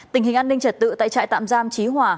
tình hình an ninh trật tự tại trại tạm giam trí hòa